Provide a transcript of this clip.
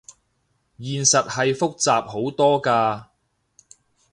現實係複雜好多㗎